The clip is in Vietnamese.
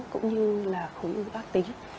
cũng như là khối u ác tính